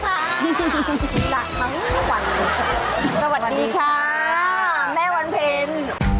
สวัสดีค่ะแม่วันเพ็ญ